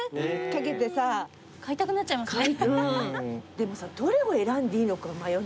でもさどれを選んでいいのか迷う。